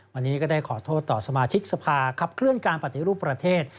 วันนี้ก็ได้ขอโทษต่อสมาชิกสภาขับเคลื่อนการปฏิรูปประเทศ